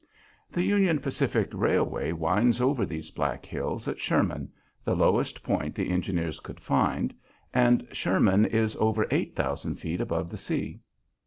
The Union Pacific Railway winds over these Black Hills at Sherman, the lowest point the engineers could find, and Sherman is over eight thousand feet above the sea.